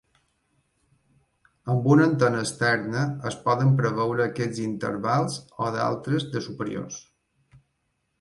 Amb una antena externa, es poden preveure aquests intervals o d'altres de superiors.